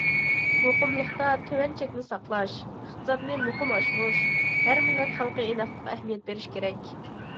مۇقىملىقتا تۆۋەن چەكنى ساقلاش، ئىقتىسادنى مۇقىم ئاشۇرۇش، ھەر مىللەت خەلقى ئىناقلىققا ئەھمىيەت بېرىش كېرەك.